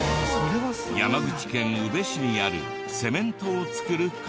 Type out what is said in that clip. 山口県宇部市にあるセメントを作る会社。